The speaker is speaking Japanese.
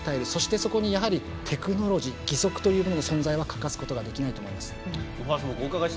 そこにテクノロジー義足というものの存在は欠かすことができないと思います。